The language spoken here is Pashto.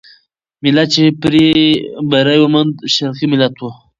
ملت چې بری وموند، شرقي ملت وو.